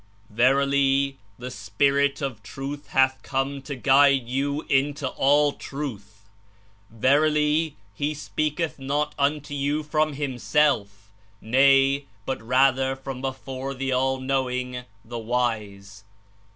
"Verily, the Spirit of Truth hath come to guide you into all Truth. \^erlly, He speaketh not unto you from himself; nay, but rather from before the All knowing, the Wise.